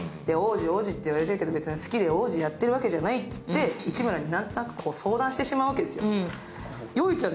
王子、王子って言われてるけど、別に好きで王子やってるわけじゃないと、市村に何となく相談してしまうわけですよ。